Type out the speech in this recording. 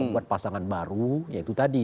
buat pasangan baru ya itu tadi